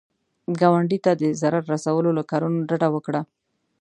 ګاونډي ته د ضرر رسولو له کارونو ډډه وکړه